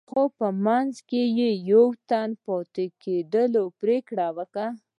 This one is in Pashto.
خو په منځ کې يې يوه تن د پاتې کېدو پرېکړه وکړه.